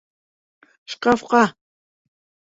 Шкафҡа!